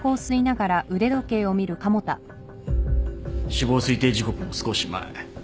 死亡推定時刻の少し前。